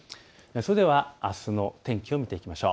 それではあすの天気を見てみましょう。